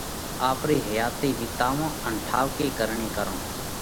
آپرئِي حياتئِي وِيتاوئه ان ٺائُوڪي ڪرڻي ڪرئه۔